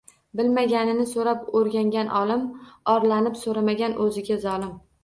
Bilmaganni so'rab o'rgangan olim, orlanib so'ramagan o'ziga zolim.